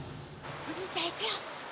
お兄ちゃんいくよ。